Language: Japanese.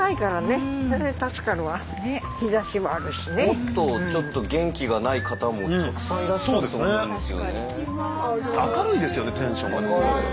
もっとちょっと元気がない方もたくさんいらっしゃると思うんですよね。